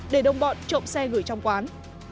để đông bọn trộm xe gửi trong quán